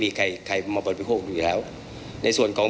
มีการที่จะพยายามติดศิลป์บ่นเจ้าพระงานนะครับ